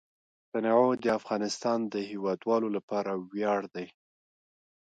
تنوع د افغانستان د هیوادوالو لپاره ویاړ دی.